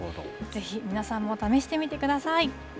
ぜひ皆さんも試してみてください。